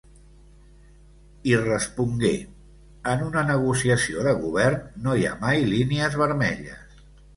I respongué: En una negociació de govern no hi ha mai línies vermelles.